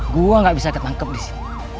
gue gak bisa ketangkep disini